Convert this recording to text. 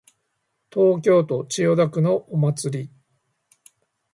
東京都千代田区のお祭り